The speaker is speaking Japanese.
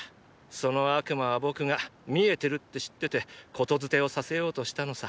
その悪魔は僕が視えてるって知ってて言伝をさせようとしたのさ。